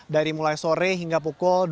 dari mulai sore hingga pukul